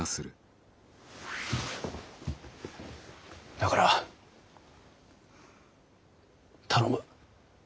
だから頼む。